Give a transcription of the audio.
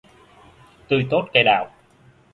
Tươi tốt cây đào